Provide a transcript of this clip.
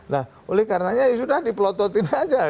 nah oleh karenanya sudah dipelototin saja